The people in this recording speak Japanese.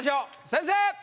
先生！